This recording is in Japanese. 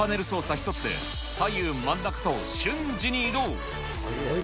一つで左右、真ん中と、瞬時に移動。